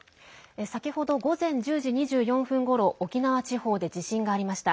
先ほど午前１０時２４分ごろ沖縄地方で地震がありました。